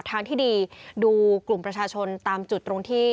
ทางที่ดีดูกลุ่มประชาชนตามจุดตรงที่